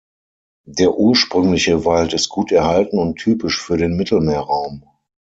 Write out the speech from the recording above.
Der ursprüngliche Wald ist gut erhalten und typisch für den Mittelmeerraum.